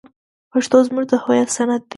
پښتو زموږ د هویت سند دی.